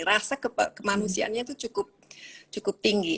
rasa kemanusiaannya itu cukup tinggi